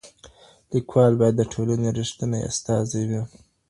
ليکوال بايد د ټولني رښتينی استازی وي.